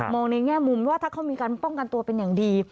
ในแง่มุมว่าถ้าเขามีการป้องกันตัวเป็นอย่างดี